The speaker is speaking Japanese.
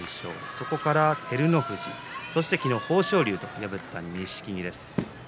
そこから照ノ富士昨日は豊昇龍と破った錦木です。